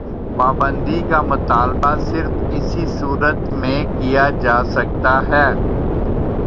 پابندی کا مطالبہ صرف اسی صورت میں کیا جا سکتا ہے۔